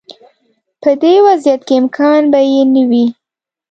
په دې وضعیت کې امکان به یې نه وي.